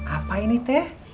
apa ini teh